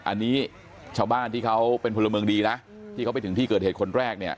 อันนี้ชาวบ้านที่เขาเป็นพลเมืองดีนะที่เขาไปถึงที่เกิดเหตุคนแรกเนี่ย